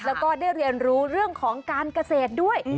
แล้วก็ได้เรียนรู้เรื่องของการเกษตรด้วย